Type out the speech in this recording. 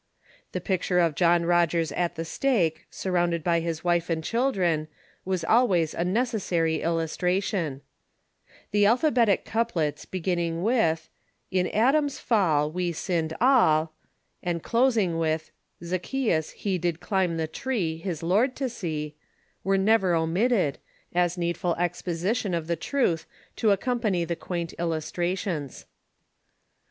The picture of John Rogers at the stake, surrounded by his wife and children, was always a necessary illustration. The alphabetic couplets beginning with 618 THE CHURCH IN THE UNITED STATES and closiiis: with ' In Adam's fall We sinned all," ' Zaccbeus he Did climb the tree His Lord to see," were never omitted, as needful exposition of the truth to accompany the quaint illustrations.